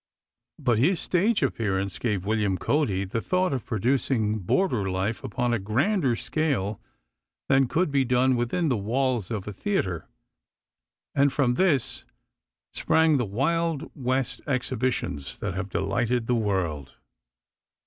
But his stage experience gave William Cody the thought of producing border life upon a grander scale than could be done within the walls of a theater, and from this sprang the Wild West exhibitions that have delighted the world.